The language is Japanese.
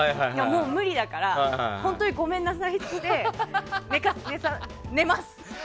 もう無理だから本当にごめんなさいってして寝ます。